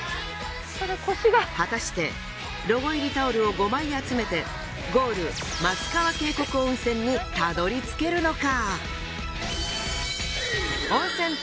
果たしてロゴ入りタオルを５枚集めてゴール松川渓谷温泉にたどり着けるのか？